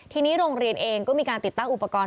ทีนี้โรงเรียนเองก็มีการติดตั้งอุปกรณ์